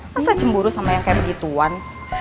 masa cemburu sama yang kayak begituan